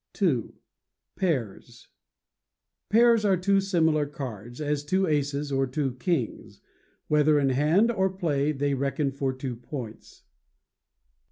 ii. Pairs are two similar cards, as two aces or two kings. Whether in hand or play they reckon for two points.